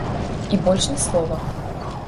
І больш ні слова.